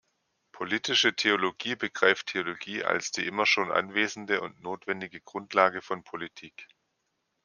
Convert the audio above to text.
Politische Theologie begreift Theologie als die immer schon anwesende und notwendige Grundlage von Politik.